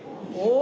お！？